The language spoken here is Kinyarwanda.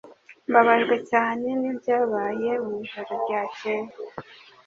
Mbabajwe cyane nibyabaye mu ijoro ryakeye.